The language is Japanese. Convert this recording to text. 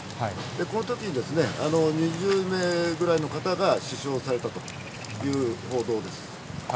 このときに２０名ぐらいの方が死傷されたという報道です。